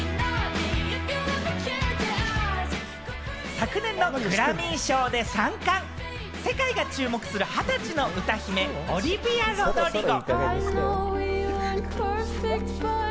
昨年のグラミー賞で３冠、世界が注目する２０歳の歌姫、オリヴィア・ロドリゴ。